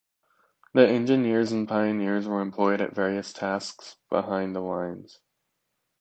The engineers and pioneers were employed at various tasks behind the lines.